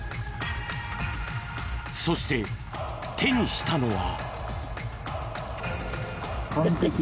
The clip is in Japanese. そして手にしたのは。